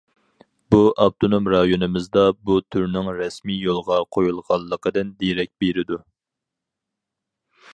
بۇ ئاپتونوم رايونىمىزدا بۇ تۈرنىڭ رەسمىي يولغا قويۇلغانلىقىدىن دېرەك بېرىدۇ.